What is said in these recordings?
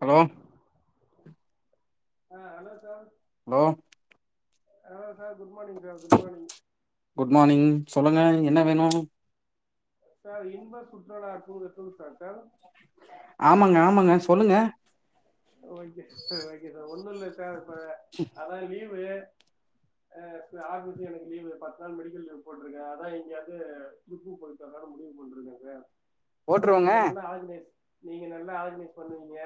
Hello ஆ hello sir hello hello ஆ good morning sir good morning good morning சொல்லுங்க என்ன வேணு சார் இன்ப சுற்றுலா டூர் எப்பங் சார் சர் ஆமங்க ஆமங்க சொல்லுங்க okay sir okay sir one ஒன்னுல்ல சார் இப்ப அதா லீவு ஆ ஆகஸ்ட்ல எனக்கு லீவு பத்து நாள் மெடிக்கல் லீவ் போட்ருக்கே அதா எங்கேயாச்சு ட்ரிப்பு போயிட்டு வரலான்னு முடிவு பண்ருக்கேங்க சார் அதா போட்ருவோங்க நீங்க நல்லா ஆர்கனைஸ் நீங்க நல்லா ஆர்கனைஸ் பண்ணுவீங்க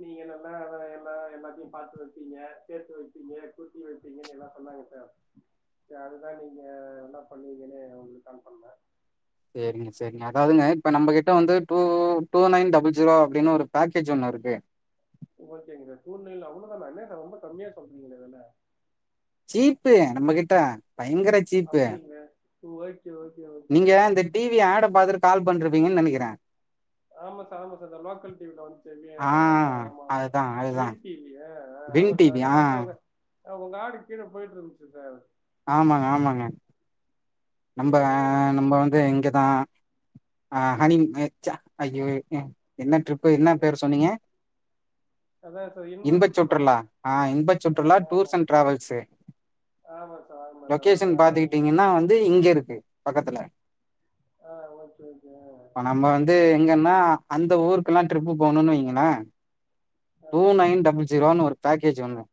நீங்க நல்லா அதா எல்லா எல்லாத்தையு பாத்து வைப்பீங்க சேத்து வைப்பீங்க கூட்டி வைப்பீங்கன்னு எல்லா சொன்னாங்க சார் சே அதுதா நீங்க நல்லா பண்ணுவீங்கன்னு உங்களுக்கு கால் பண்ணே சேரிங்க சேரிங்க அதாதுங்க இப்ப நம்ம கிட்ட வந்து டூ நைன் டபுள் ஜீரோ அப்டின்னு ஒரு பேக்கேஜ் ஒண்ணு இருக்கு ஓகேங்க சார் சூழ்நிலைல அவ்ளோதானா என்ன சார் ரொம்ப கம்மியா சொல்றீங்களே இதுல சீப்பு நம்ம கிட்ட பயங்கர சீப்பு டூ ஒயிட் நீங்க இந்த டிவி ஆட பாத்துட்டு கால் பண்றிப் பீங்கன்னு நெனைக்கிறே ஆமா சார் ஆமா சார் இந்த லோக்கல் டிவில வந்து சேவ ஆ ஆஹ் ஆமா ஆமா அதுதா அதுதா வின் டிவி் ஆஹ் வின் ஆமா சார் டிவி அத ஆ பா்த்தவாங்க உங்க ஆடு கீழே போயிட்டு இருந்துச்சு சார் ஆமாங்க ஆமாங்க நம்ப ம், ம், நம்ப வந்து எங்க நான் ஹ்ஹனி அஐயோ என்ன ட்ரிப்பு என்ன ம். பேரு சொன்னீங்க அதான் சார் இன்ப இன்பச் சுற்றுலா ஆஹ் இன்ப ஆ சுற்றுலா ஆ. டூர்ஸ் அண்ட் டிராவல்ஸ் ஆமா சார், ஆமா சார். லொகேஷன் அதான் அதான் நீங்க பாாரத்துக்கிட்டீங்கன்னா வந்து இங்க இருக்கு பக்கத்துல ஆ ஓகே, ஓகே. இ ஆ, நம்ம வந்து எங்க அ அந்த ஊருக்குெல்லா ட்ரிப்பு போகணும்னு வைங்களே ஆ. டு நைன் டபள் ஜிரோ ஒரு பேக்கேஜ் ஒண்னு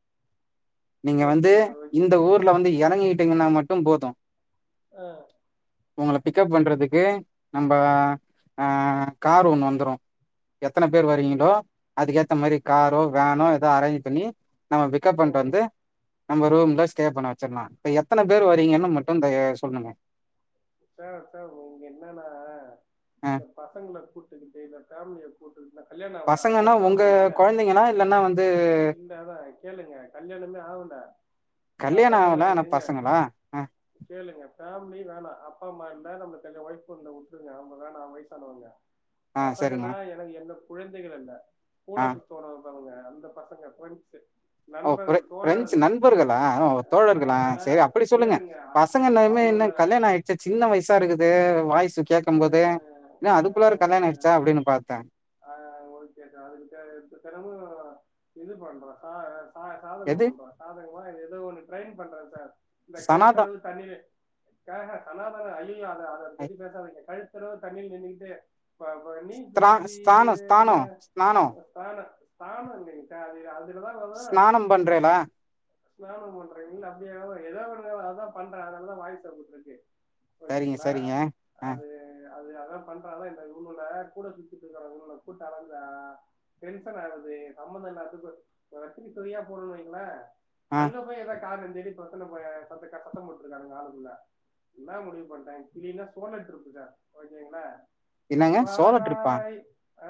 நீங்க வந்து ஓகேங்க சார், ஓகே. இந்த ஊர்ல வந்து இறங்கிட்டு ந்திங்கன்னா மட்டு போது ஆஹ் உங்கள பிக்கப் பண்றதுக்கு நம்ப கார் ஆஹ் ஒன்னு வந்துரு எத்தன பேர் வரீங்களோ ம், அதுக்கேத்த மாரி ஆ, காரோ வேனோ ஏதோ அரேஞ்ச் பண்ணி நம்ம பிகப் பண்ணிட்டு ம், வந்து நம்ம ரூம்ல ஸ்டே பண்ண வச்சிடலாம் இப்ப எத்த எத்தன பேர் வரீங்க ம். மட்டும் சொல்லுங்க சார் சார் இங்க என்னன்னா அ இந்த பசங்கள கூட்டுக்கிட்டு இந்த பேமிலிய கல்யாணம் ஆவல அதனால பசங்கன்னா உங்க பேமிலி இல்ல, கொழந்தைங்களா? இல்லன்னா வந்து இல்ல அதா கேளுங்க கல்யாணமே ஆவல கல்யாணம் பசங்களு ஆகல ஆனா இருங்க பசங்களா ஆ கேளுங்க. பேம்லி வேணா அப்பா அம்மா இருந்தா நம்மளுக்கு ஒயஃப் வந்த குடுத்துருகாங்க அவங்கத நா வயசானவங்க. ஆ சரிங்க பசங்கன்னா எனக்கு என்ன. குழந்தைகள் அல்ல. கூட ஆ சுத்துவானோ. இப்பவுங்க அந்த பசங்க பிரண்ஸ்சு. ஒ பிரெ பிரெஞ்சு நண்பர்களா தோழர்களா அதனால சரி அப்டி சொல்லுங்க கேளுங்க அ- பசங்க என்னய்மே இன்னு அவனோட கல்யாண ஆகி. ச்ச சின்ன வயசா இருக்குது வாய்ஸ்சு கேட்கு போது, என்ன அதுக்குள்ளாரு கல்யாண ஆயிடுச்சா அப்படின்னு பாத்த ஆஹ் ஒகே நா அதுக்குத தினமு இது பண்றோ ஆஹ் ஆஹ் அ சாதக எது பண் சாதகமா ஏதோ ஒ பண்றேன் சார் இந்த சனாதம் கழுத்தளவு தண்ணீர் சனாதன அழி அத ஐ பத்தி பேச. ப்ரோ தண்ணியில் நின்னுக்கிட்டு. [unintelligible] தானஸ் ஸ்தானோ ஸ்னானோ. ஸானம் ஒன்னு இக்க அது யாரு. ஸ்நானம் பண்றேலா. ஸ்நானம் பண்றேல் இல்ல அப்படிய ஏதாவ ஒன்னு அதா பண்றேன் அதனாலதா வாய்ஸ் அப்படி இருக்கு. சரிங்க ஓகேயங்கள சரிங்க ஆ அது. அது அதா பண்றா இந்த இவுகள கூட சுத். ட்டு இருக்கற கூட்டு அலைஞ்சா டென்ஷன் ஆகுது சம்பமந்த இல்லாதத்துக்கு சரி [unintelligible] ஆ அன்ன போய் ஏதோ காதுல தேடி பாத்து நம்ப சொந்தக்கார் சத்தம் போட்டிருக்கானுங்க ஆளுக்குள்ள என்ன முடிவு பண்டே கிளீனா [unintelligible] எடுத்துட்டு போய்டன் ஓகேங்களா என்னங்க சோழ டிருப்பா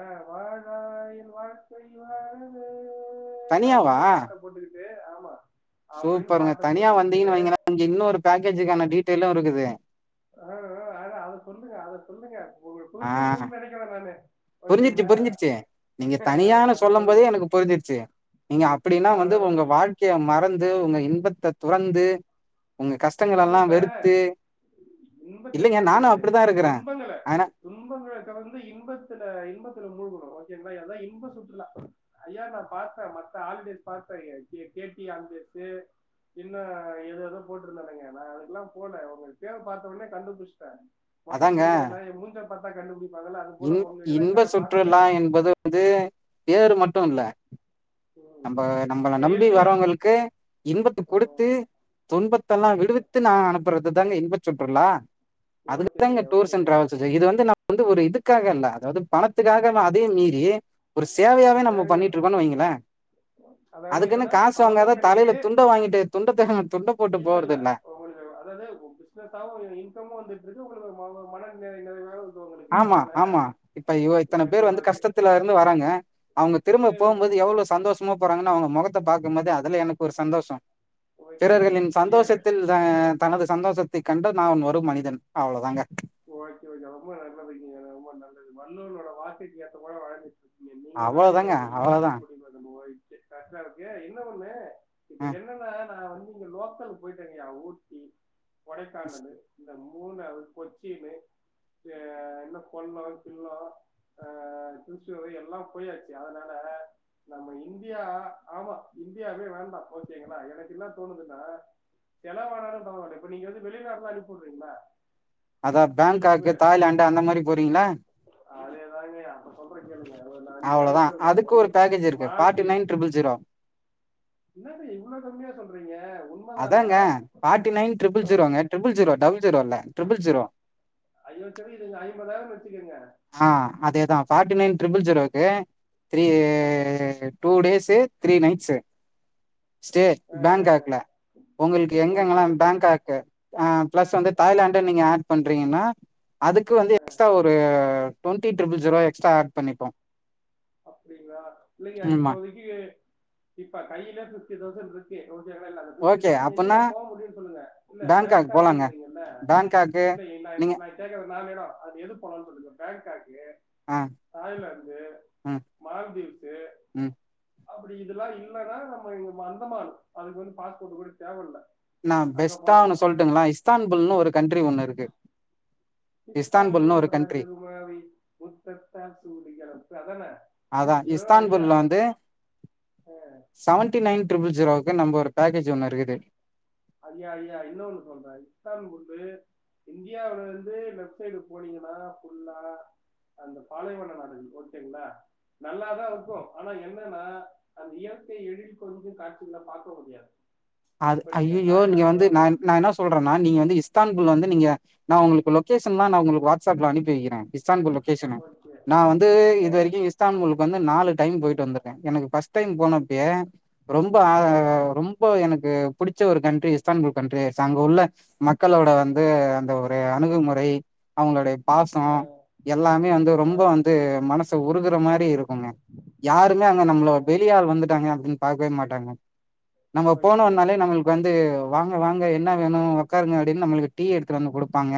அ வாழாயில் வாழ்க்கை வாழவே சோ தனியாவா அப்டின்னே பாட்ட போட்டுகிட் பே ஆமா அப்படின்னு சூப்பருங்க பாட்டை தனியா போட்டுக்கிட்டு வந்தீங்கன்னு வைங்கள இங்க இன்னொரு பேக்கேஜுக்கான டீடைல்லு இருக்குது ஆஹ் அத அத சொல்லுங்க அத சொல்லுங்க உங்கள புரிஞ்சுருக்குன் நெனைக்கற நானு புரிஞ்சிருச்சி ஓகேங்களா புரிஞ்சிருச்சி நீங்க ஆஹ் தனியான அதை சொல்லும் சொல்லுங்க போதே எனக்கு புரிஞ்சிருச்சி நீங்க அப்டினா வந்து அவ்வளவுதான் உங்க வாழ்க்கைய மற ந்து உங்க இன்பத்தை துறந்து உங்க கஷ்டங்கள் எல்லாம் இன்பத்த வெறுத்து இன்பத்த இல்லைங்க துறக்க நானும் கூடாது அப்படிதான் இருக்கிறேன் துன்பங்கள ஆனா துன்பங்கள கடந்து இன்ப த்துல இன்பத்துல முழுகனு ஓகேங்களா ஏனா இன்பம் சுற்றுலா ஐயா நா பாத்த மத்த ஹாலிடேஸ் [unintelligible] இல்ல எதேதோ போட் [unintelligible] நா அதுக்கல்லா போல உங்களுக்கு பேரப் பாத்த உடனே கண்டுபுச்சிட்டே மொச அதாங்க புடிக்கிற நாய் மூஞ்சிய பார்த்தா கண்டுபிடி இன் இன்ப சுற்றுலா என்பது கண்டுபிடிச்சிட்டேன் வந்து பேரு மட்டு மட்டுஇல்ல ம். நம்ம நம்மள நம்பி செயல்லையும் வரவங்களுக்கு இன்பத்து கொடுத்து ம், துன் பத்தெல்லா ம். விடுவித்து நா அனுப்புறது தாங்க இன்பத்து சுற்றுலா அதுக்குதாங்க ஓகேங்கய்யா டூர் சென்டர் ஓகேங்கய்யா ஆரம்பிச்சிருக்கு இது வந்து நம வந்து ஒரு இதுக் க்காக அல்ல அதாது பணத்துக்காக அதையு மீறி ஒரு சேவையாவே நம்ம சேவையும் பண்ணிட்டு இருக்கோனு வைங்களே அதாவது அதுக்குன்னு என்னன்னா காசு பணமும் வாங்காத தலையில கிடைக்குது துண்ட வாங்கிட்டு துண்டத்த துண்ட போட்டு போறது இல்ல உங்களுக்கு அதாவது பிசினஸாவும் இன்கமும் வந்துட்டு இருக்கு உங்களுக்கு ம- மன நிறை நிறைவே ஆமா ஆமா இப்ப இவ இத்தனை ஓகே பேர் வந்து ஓகே கஷ்டத்துல இருந்து வராங்க அவங்க திரும்ப போகும் போது எவ்வளவு சந்தோஷமா போறாங்கன்னு அவங்க முகத்த பாக்கும்போது அதுல எனக்கு ஒரு சந்தோஷம் ஓகேங்க பிறர்களின் ஐயா ஐயா சந்தோஷத்தில் தனது சந்தோஷத்தை கண்டு நான் ஒரு மனிதன் அவ்ளோதாங்க ஓகே ஓகே ரொம்ப நல்லதுக்குங்க ஐயா ரொம்ப நல்லது வள்ளுவரோட வார்த்தைக்கு ஏத்தவாறு வாழ்ந்து அவ்வளோ தாங்க அவ்வளோதா ஓகே கரெக்டா இருக்கு என்ன ஒண்ணு இப்ப அஹ். என்னன்னா வந்து இங்க லோக்கல் போயிட்டங்கயா ஊட்டி கொடைக்கானல் மூணாறு கொச்சி ஹ என்ன கொல்ல கில்லோ அ திருச்சூர் எல்லாம் போயாச்சு அதனால நம்ம இந்தியா ஆமா இந்தியாவே வேண்டாம் ஓகேங்களா எனக்கு என்ன தோணுதுன்னா செலவணாலும் பரவால்ல இப்ப நீங்க வந்து வெளிநாடுலா சொல்றீங்கள அதா பேங்காக் தாய்லாந் அந்த மாரி போறீங்களா ஆ அதே தாங்கய்யா இப்ப சொல்ற கேளுங்க ஒரு நான் அஞ்சு இடம் அவ்ளோதா வச்சிருக்கேன் அதுக்கு ஒரு பேக்கேஜ் இருக்கு பார்ட்டி நைன் ட்ரிபிள் ஜீரோ என்ன இது இவ்வளவு கம்மியா சொல்றீங்க உண்மைதானா அதாங்க ஃபார்ட்டி நயன் ட்ரிபிள் ஜீரோங்க ட்ரிபள் ஜீரோ டபுள் ஜீரோ இல்ல ட்ரிபள் ஜீரோ ஐயோ தெரியுதுங்க ஐம்பதாயிரம் வச் ஆ அதேதான் ஃபார்ட்டி நைன் ட்ரிபிள் ஜீரோக்கு three two days three nights stay பேங்காக்ல உங்களுக்கு ஓகே எங்கங்கலா ஓகே பேங்காக் அ ப்ளஸ் வந்து தாய்லாண்டு நீங்க ஆட் பண் பன்றீங்கனா அதுக்கு வந்து எக்ஸ்ட்ரா ஒரு அ twenty triple zero extra add பண்ணப்போ அப்டிங்ளா இல்லெங்க ஆமா. இப்போதக்கி இப்ப கையில ஃபிஃப்டி தௌசண்ட்ருக்கு [unintelligible] ஃபிஃப்டி ஓகே. தௌஸன்கு அப்பன்னா எங்கங்க போ முடியுன் சொல்லுங்க இல்ல பேங்காக் போலாங்க. பேங்காக்குன்றீங்கல்ல பேங்காக்கு இல்ல எ நா நீங்க நா கேக்குற நாலெடொ அது எது போலான் சொல்லுங்க பேங்காக் கு ஆ, தாய்லாந்து ம், மால்தீவ்ஸு ம். அப்டி இதெல்லா இல்லனா நம்ம அந்தமான் அதுக்கு வந்து பாஸ்போட் கூட தேவல்ல நா பெஸ்ட்டா ஒன்னு சொல்ட்டுங்ளா இஸ்தான்புல்னு ஒரு கண்ட்ரி ஒண்ணுருக்கு இஸ்தான்புல் ராஜகுமாரி முத்தத்த சூடுகிறம் ந அதான அதா இஸ்தான்புல் வந்து செவன்டி நைன் ட்ரிபிள் ஜீரோவுக்கு நம்ப ஒரு பேக்கேஜ் ஒன்னு இருக்குது ஐயா ஐயா இன்னொன்னு சொல்றே இஸ்தான்புல்லு இந்தியாவுலருந்து லெஃப்ட் சைடு போனீங்கனா ஃபுல்லா அந்த பாலைவன நாடுகள் ஓகேங்ளா நல்லாதாருக்கு ஆனா என்னனா அந்த இயற்கை எழில் கொஞ்சு காட்சிகள பாக்க முடியாது அது இப்ப அய்யய்யோ நீங்க வந்து தாய்லாந்தோ நான் நா என்ன சொல்றனா நீங்க வந்து இஸ்தான் புல் வந்து நீங்க நா உங்ளுக்கு லொகேஷன்லா நா உங்களுக்கு வாட்ஸ்அப்ல அனுப்பி வக்கிறே இஸ்தான்புல் லொகேஷனு ஓகே நா வந்து ஓகே இதுரைக்கு இஸ்தான்புல்கு வந்து நாலு டைம் போயிட்டு வந்துர்கே எனக்கு பஸ் டைம் போனப்பயே ரொம்ப ஆ ரொம்ப எனக் கு புடுச்ச ஒரு கண்ட்ரி இஸ்தான்புல் கண்ட்ரி ஆயிர்ச்சு அங்க உள்ள மக்களோட வந்து த ஒரு அணுகுமுறை அவுங்களுடைபாசம் எல்லாமே வந்து ரொம்ப வந்து மனசு உருகுற மா ரி இருக்குங்க யாருமே அங்க நம்ள வெளியாள் வந்துட்டாங்க அப்டின் பாக்கவே மாட்டாங்க ஓ வந்தாலே நம்மளுக் வந்து து வாங்க வாங்க என்ன வேணு ஒக்காருங்க அப்டின் நம்மளுக்கு டீ எடுத்துட்டு வந்து குடுப்பாங்க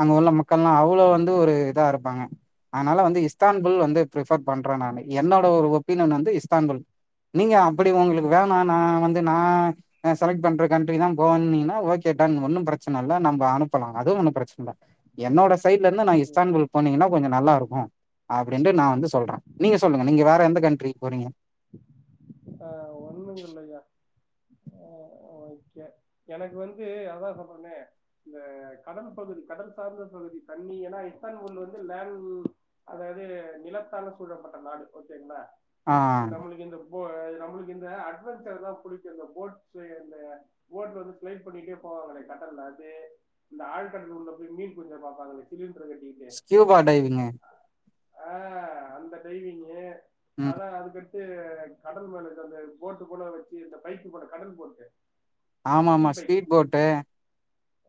அங்க உள்ள மக்கள்லா அவ்ளோ வந்து ஒரு இதா இருப்பாங்க அனால வந்து இஸ்தான்புல் வந்து பிரஃபர் பண்றே நானு என்னோட ஒரு ஒபீனியன் வந்து இஸ்தான்புல் நீங்க அப்ப டி உங்களுக்கு வேணா நா வந்து நா நா செலக்ட் பண்ற கண்ட்ரி தா போனு இன்னிங்க ஒகே டன் ஒன்னு பிரச்சன இல்ல நம்ம அனுப்பலா அதுவு ஒன்னு பிரச்சன இல்ல என்னோட சைட்ல இருந்து நா ஓகே இஸ்தான்புல் போனிங்கன்னாவ் கொஞ்ச நல்லா இருக்கு அப்டின்டு நா வந்து சொல்றே நீங்க சொல்லுங்க நீங்க வேற எந்த கண்ட்ரி போறீங்க ஆஹ் அஹ் ஓகே எனக்கு வந்து அதா சொல்றேனே இந்த கடல் பகுதி கடல் சார்ந்த பகுதி தண்ணி ஏன்னா இஸ்தான்புல்ல வந்து லேன் அதாவது நிலத்தால சூழப்பட்ட நாடு ஓகேங்களா ஆ நம்மளுக்கு இந்த போ அது நம்மளுக்கு இந்த அட்வென்சர் தா புடிக்கு இந்த போட்ஸ்ஸு இந்த போர்டு வந்து ப்ளைட் பண்ணிட்டே போவாங்களே கடல்ல அது இந்த ஆழ்கடல் உள்ள மீன்புடிக்க பாப்பாங்களே திமிங் ஸ்கியூபா டைவிங்கு ஆஹ் அந்த டைவிங்கு ம் அதா அதுக் கு கடல் மேல அந்த போட்டு போல வச்சு இந்த பைக்கு போட கடல் போட்டு ஆமா ஆமா ஸ்பீட் போட்டு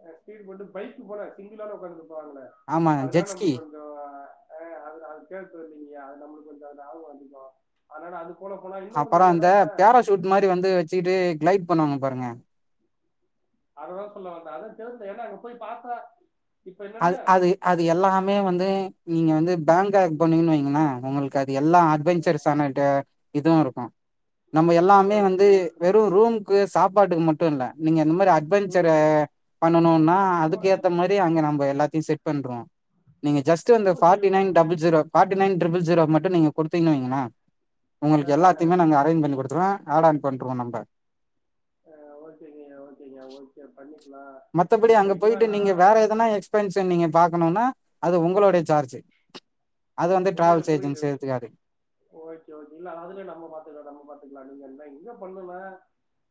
அ ஸ்பீட்டு போட்டு பைக்கு போல சிங்கிளா ஆள் உக்காந்து போவாங்கள ஆமா அதனால ஜெட்ஸ்கி நமக்கு கொஞ்சொ அஹ் அத அது கேட்கறதீங்கயா அது நம்மளுக்கு கொஞ்சொ அந்த ஆர்வொ அதிகொ ஆனாலு அதுக் அப்பற அந்த பேராசஷூட் மாரி வந்து வெச்சுக்குட்டு கிளைப் பண்ணுவாங்க பாருங்க அததா சொல்ல வந்தே அதா தெரிதே ஏன்னா அங்க போய் பாத்தா அது அது அது எல்லாமே வந்து இ நீங்க வந்து பேங்க் ஆக் ம், போனீங்கன்னு வைங்களே உங்களுக் அ எல்லா அஹ், அட்வெஞ்சர்ஸ் செமட்டு இதுவு இருக்கு நம்ம எல்லாமே வந்து வெறு ரூம் கு சாப்பாட்டுக்கு மட்டு இல்ல நீங்க இந்த மாரி அட்வெஞ்சர் ம், பண்ணனுனா அதுக்கு ஓ- ஏத்த மாரி அங்க நம் இப்ப எல்லாத்தையும் செட் பண்றோ நீங்க ஜஸ்ட் வந்து ஃபார்டி ஓகேப்பா nine double zero forty nine triple zero மட்டு நீங்க குடுத்திங்கன் வைங்களே உங்களுக்கு அஹ், எல்லாத்தைமே அஹ், நாங்க அரேஞ்ச் பண்ணி குடுத்துருவ ஆட் ஆன் பண்ட்ருவோ நம்ப ஆ ஓகேங்க ஓகேங்க ஓகே பண்ணிக் மத்தபடி அங்க போயிட்டு நீங்க வேற எதனா எக்ஸ்பென்ச நீங்க பாக்கணுனா அது வந்து இல்ல இல்ல டிராவல்ஸ் புரியுது ஏஜென்சி எடுத்துக்காது ஓகே ஓகே இல்ல அதுல நம்ம பாத்துக்லா நம்ம பாத்துக்லா நீங்க நா என்ன பண்ணுனா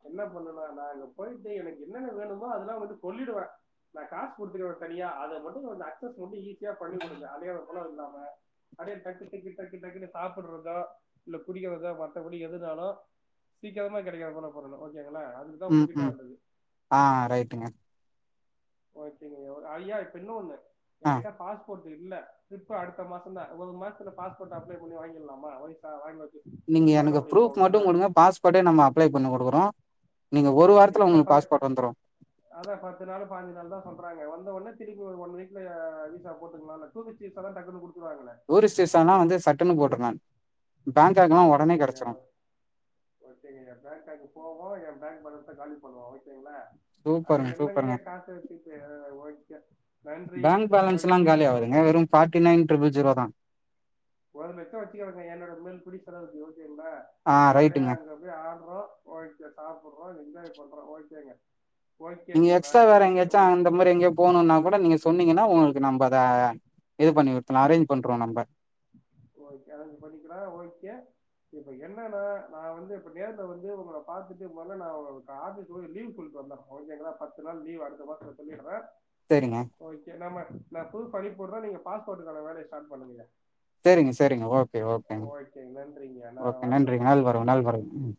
என்ன பண்ணுனா நா அங்க போய்ட்டு எனக்கு என்னென்ன வேணுமோ அதெல்லா வந்து சொல்லிடுவ நா காசு குடுத்துடுவ தனியா அத மட்டு கொஞ்ச அக்ஸஸ் மட்டு ஈ ஸியா பண்ணி குடுங்க அலையது போல இல்லாம அடே டக்கு டக்கு டக்கு டக்குன்னு சாப்பிடறதோ இல்ல குடிக்கிறதோ மற்றபடி எதுனாலு சீக்கிரமா கெடைக்கா போல பண்ணனு ஓகே ம் ம் ஆ ரைட்டுங்க ஓகேங்க ஐயா இப்ப இன்னொன்னு ஆ எங்கிட்ட பாஸ்போட் இல்ல ட்ரிப்பு அடுத்த மாசந்தா ஒரு மாசத்துல பாஸ்போர்ட் அப்ளை பண்ணி வாங்கிர்லாமா வைசா வாங் நீங்க எனக்கு ப்ரூஃப் மட்டு குடுங்க பாஸ்போர்ட்டே நம்ம அப்ளை பண்ணி குடுக்குறோ ஓகே ஏனா ப அதா பத்து நாளு பாஞ்சு நாளுதா சொல்றாங்க வந்த ஒன்னே திருப்பி ஒரு ஒன் வீக்ல அ வீசா போட்டுக்லால டூரிஸ்ட் விசாதா டக்குனு கு டூரி்ஸ்ட் விசானா வந்து சட்டுனு போட்டுருலா பேங்காக்லா ஒடனே ஓகேங்கய்யா கெடச்சிறோ ஓகேங்கய்யா பேங்காக் போவோ என் பேங்க் பேலன்ஸ காலி பண்ணுவோ ஒகேங்ளா சூப்பருங்க சூப்பருங்க ஓகே நன்றி பேங்க் பேலன்ஸ் எல்லா ஓகே காலி நா ஆவாதுங்க வெறு ஃபார்டி நைன் ட்ரிபிள் ஸிரோ தா ஒடம்பு எக்ஸ்ரா வச்சுக்கோங்க என்னோட மெல் குடி செலவுக்கு ஓகேங்களா ஆ அப்படியே ரைட்டுங்க அங்க போய் ஆடுறோ ஓகே சாப்புடுறோ என்ஜாய் பண்றோ ஒகேங்க நீங்க எக்ஸ்ட்ரா வேற எங்காச்சு அந்த மாரி எங்கோ போணுனா குட நீங்க சொன்னீங்கனா உங்களுக்கு நம் பா அ இது பண்ணி விட்ருலா அரேஞ்ச் பண்றோம் நம்ப ஓகே அரேஞ்சு பண்ணிக்கலா ஓகே இப்ப என்னன்னா நா வந்து இப்ப நேரல வந்து உங்கள பாத்துட்டு போனா நா ஆபீஸ் போய் லீவ் சொல்டு வந்தறேன் ஒகேங்லா பத்து நாள் லீவ் அடுத்த மாசத்துல சொல்லிடுறே சேரிங்க ஓகே நம்ம ந தூ படி போடுற நீங்க பாஸ்போர்ட்கான வேலய ஸ்டார்ட் பண்ணுக செரிங்க செரிங்க ஓ கே ஓகேங்க நன்றிங்கய்யா. நான் ஓகே வாட்ஸ்அப் நன்றி பண்றேன். நல்வரவு நல்வரவு ம்